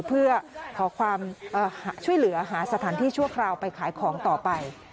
เพื่อขอความช่วยเหลือหาสถานที่ชั่วคราวไปขายของต่อไป